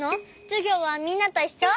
じゅぎょうはみんなといっしょ？